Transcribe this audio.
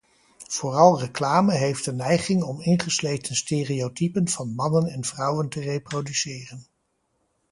Vooral reclame heeft de neiging om ingesleten stereotypen van mannen en vrouwen te reproduceren.